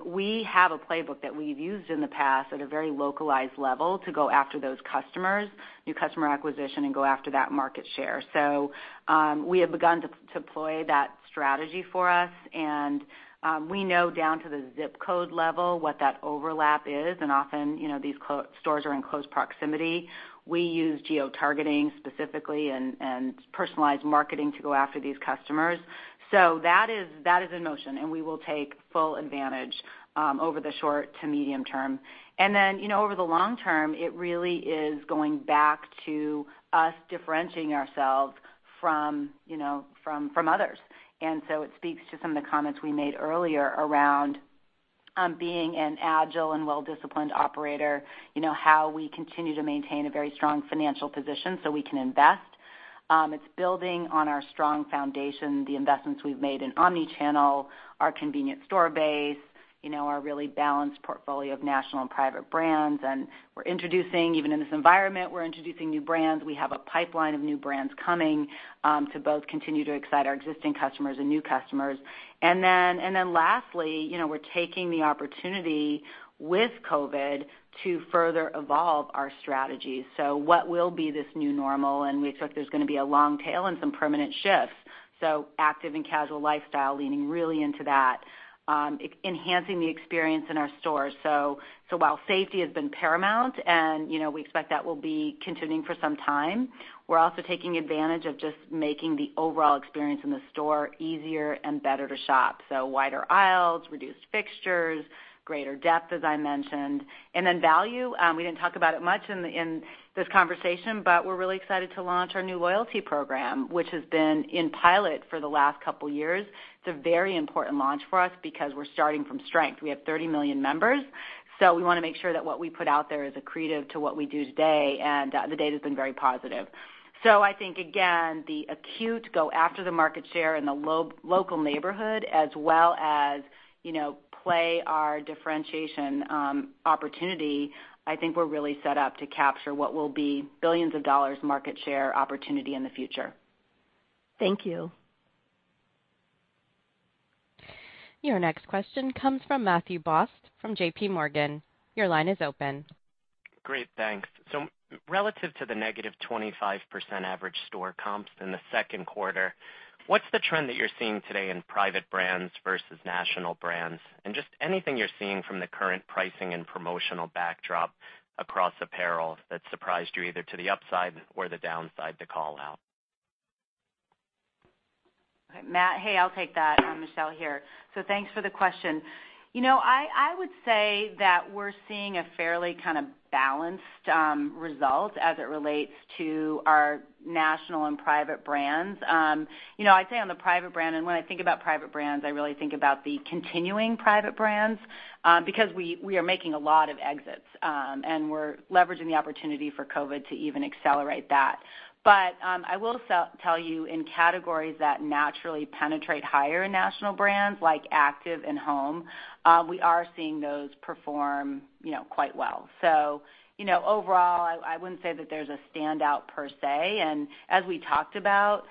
We have a playbook that we've used in the past at a very localized level to go after those customers, new customer acquisition, and go after that market share. We have begun to deploy that strategy for us, and we know down to the zip code level what that overlap is, and often, these stores are in close proximity. We use geotargeting specifically and personalized marketing to go after these customers. That is in motion, and we will take full advantage over the short to medium term. Over the long term, it really is going back to us differentiating ourselves from others. It speaks to some of the comments we made earlier around being an agile and well-disciplined operator, how we continue to maintain a very strong financial position so we can invest. It's building on our strong foundation, the investments we've made in omni-channel, our convenient store base, our really balanced portfolio of national and private brands, and even in this environment, we're introducing new brands. We have a pipeline of new brands coming to both continue to excite our existing customers and new customers. Lastly, we're taking the opportunity with COVID to further evolve our strategy. What will be this new normal, and we expect there's going to be a long tail and some permanent shifts. Active and casual lifestyle, leaning really into that. Enhancing the experience in our stores. While safety has been paramount, and we expect that will be continuing for some time, we're also taking advantage of just making the overall experience in the store easier and better to shop. Wider aisles, reduced fixtures, greater depth, as I mentioned. Value, we didn't talk about it much in this conversation, but we're really excited to launch our new loyalty program, which has been in pilot for the last couple of years. It's a very important launch for us because we're starting from strength. We have 30 million members, so we want to make sure that what we put out there is accretive to what we do today, and the data's been very positive. I think, again, the acute go after the market share in the local neighborhood as well as play our differentiation opportunity, I think we're really set up to capture what will be billions of dollars market share opportunity in the future. Thank you. Your next question comes from Matthew Boss from JPMorgan. Great. Thanks. Relative to the -25% average store comps in the second quarter, what's the trend that you're seeing today in private brands versus national brands? Just anything you're seeing from the current pricing and promotional backdrop across apparel that surprised you either to the upside or the downside to call out. Matt, hey, I'll take that. Michelle here. Thanks for the question. I would say that we're seeing a fairly balanced result as it relates to our national and private brands. I'd say on the private brand, and when I think about private brands, I really think about the continuing private brands because we are making a lot of exits, and we're leveraging the opportunity for COVID to even accelerate that. I will tell you, in categories that naturally penetrate higher in national brands, like active and home, we are seeing those perform quite well. Overall, I wouldn't say that there's a standout per se, and as we talked about,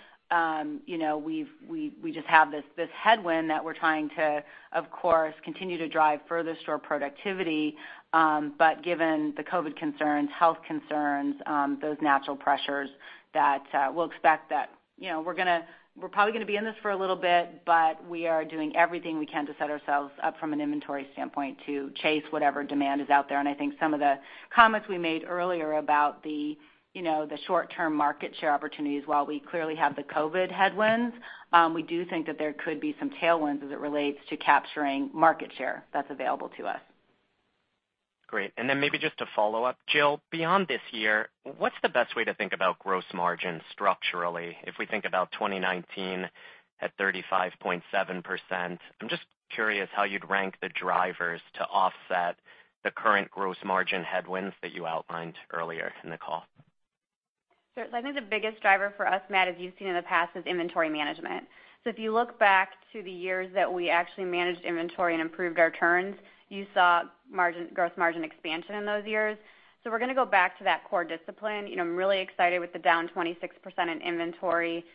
we just have this headwind that we're trying to, of course, continue to drive further store productivity. Given the COVID concerns, health concerns, those natural pressures, we'll expect that we're probably going to be in this for a little bit, but we are doing everything we can to set ourselves up from an inventory standpoint to chase whatever demand is out there. I think some of the comments we made earlier about the short-term market share opportunities, while we clearly have the COVID headwinds, we do think that there could be some tailwinds as it relates to capturing market share that's available to us. Great. Maybe just a follow-up. Jill, beyond this year, what's the best way to think about gross margin structurally? If we think about 2019 at 35.7%, I'm just curious how you'd rank the drivers to offset the current gross margin headwinds that you outlined earlier in the call. Sure. I think the biggest driver for us, Matt, as you've seen in the past, is inventory management. If you look back to the years that we actually managed inventory and improved our turns, you saw gross margin expansion in those years. We're going to go back to that core discipline. I'm really excited with the down 26% in inventory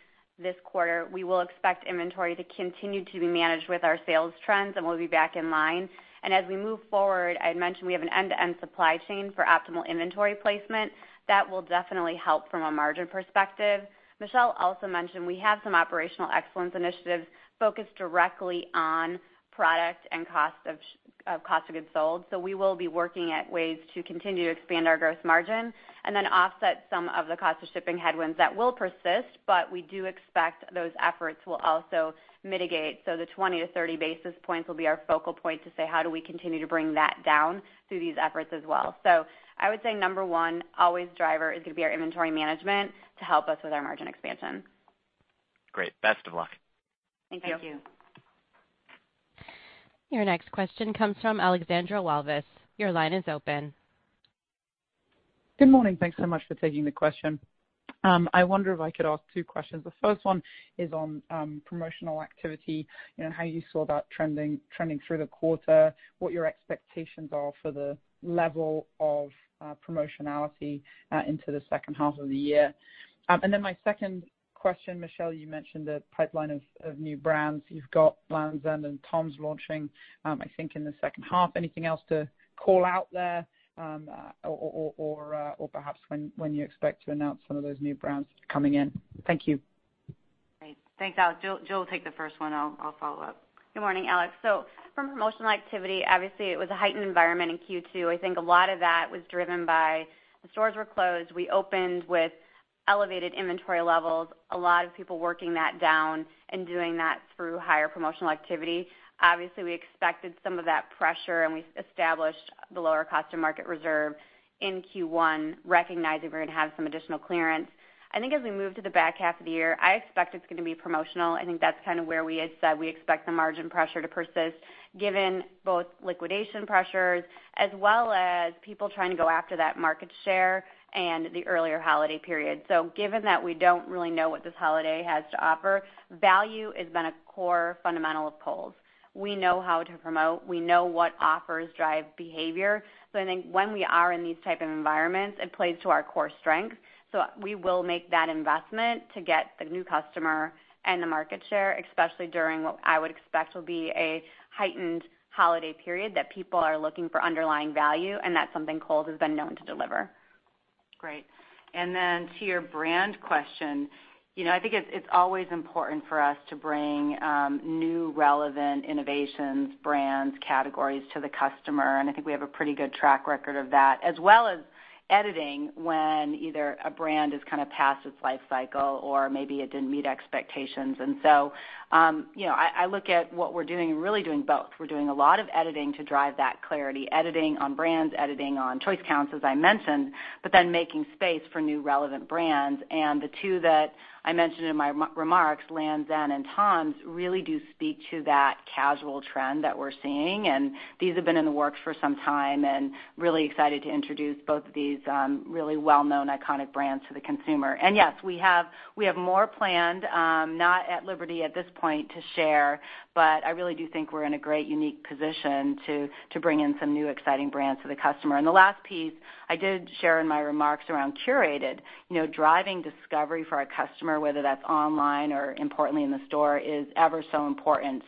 this quarter. We will expect inventory to continue to be managed with our sales trends, and we'll be back in line. As we move forward, I had mentioned we have an end-to-end supply chain for optimal inventory placement. That will definitely help from a margin perspective. Michelle also mentioned we have some operational excellence initiatives focused directly on product and cost of goods sold. We will be working at ways to continue to expand our gross margin and then offset some of the cost of shipping headwinds that will persist, but we do expect those efforts will also mitigate. The 20-30 basis points will be our focal point to say, how do we continue to bring that down through these efforts as well? I would say number one always driver is going to be our inventory management to help us with our margin expansion. Great. Best of luck. Thank you. Thank you. Your next question comes from Alexandra Walvis. Your line is open. Good morning. Thanks so much for taking the question. I wonder if I could ask two questions. The first one is on promotional activity and how you saw that trending through the quarter, what your expectations are for the level of promotionality into the second half of the year. My second question, Michelle, you mentioned the pipeline of new brands. You've got Lands' End and TOMS launching, I think, in the second half. Anything else to call out there, or perhaps when you expect to announce some of those new brands coming in. Thank you. Great. Thanks, Alex. Jill will take the first one. I'll follow up. Good morning, Alex. From a promotional activity, obviously it was a heightened environment in Q2. I think a lot of that was driven by the stores were closed. We opened with elevated inventory levels, a lot of people working that down and doing that through higher promotional activity. Obviously, we expected some of that pressure, and we established the lower of cost or market reserve in Q1, recognizing we're going to have some additional clearance. I think as we move to the back half of the year, I expect it's going to be promotional. I think that's where we had said we expect the margin pressure to persist given both liquidation pressures as well as people trying to go after that market share and the earlier holiday period. Given that we don't really know what this holiday has to offer, value has been a core fundamental of Kohl's. We know how to promote. We know what offers drive behavior. I think when we are in these type of environments, it plays to our core strengths. We will make that investment to get the new customer and the market share, especially during what I would expect will be a heightened holiday period that people are looking for underlying value, and that's something Kohl's has been known to deliver. Great. To your brand question, I think it's always important for us to bring new, relevant innovations, brands, categories to the customer, and I think we have a pretty good track record of that, as well as editing when either a brand is past its life cycle or maybe it didn't meet expectations. I look at what we're doing and really doing both. We're doing a lot of editing to drive that clarity, editing on brands, editing on choice counts, as I mentioned, but then making space for new relevant brands. The two that I mentioned in my remarks, Lands' End and TOMS, really do speak to that casual trend that we're seeing. These have been in the works for some time, and really excited to introduce both of these really well-known, iconic brands to the consumer. Yes, we have more planned, not at liberty at this point to share, but I really do think we're in a great unique position to bring in some new exciting brands to the customer. The last piece I did share in my remarks around curated, driving discovery for our customer, whether that's online or importantly in the store, is ever so important.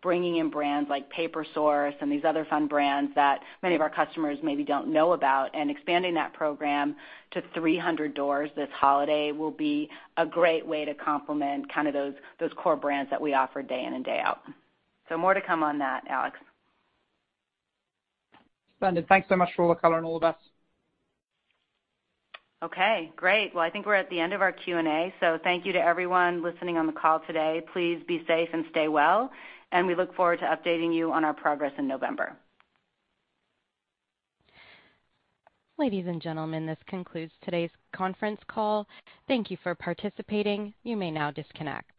Bringing in brands like Paper Source and these other fun brands that many of our customers maybe don't know about and expanding that program to 300 doors this holiday will be a great way to complement those core brands that we offer day in and day out. More to come on that, Alex. Splendid. Thanks so much for all the color and all the best. Okay, great. I think we're at the end of our Q&A, so thank you to everyone listening on the call today. Please be safe and stay well, and we look forward to updating you on our progress in November. Ladies and gentlemen, this concludes today's conference call. Thank you for participating. You may now disconnect.